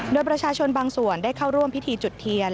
โดยประชาชนบางส่วนได้เข้าร่วมพิธีจุดเทียน